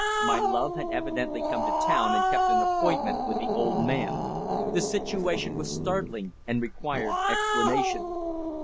My love had evidently come to town and kept an appointment with the old man. The situation was startling, and required explanation.